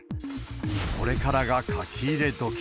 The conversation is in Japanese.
これからが書き入れ時。